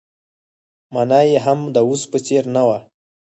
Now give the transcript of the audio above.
مانا يې هم د اوس په څېر نه وه.